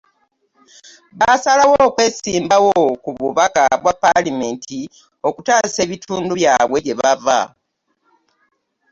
Baasalawo okwesimbawo ku bubaka bwa paalamenti okutaasa ebitundu byabwe gye bava.